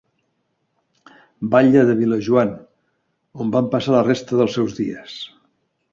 Batlle de Vilajoan, on van passar la resta dels seus dies.